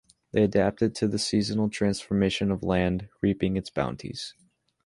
They adapted to the seasonal transformation of land, reaping its bounties.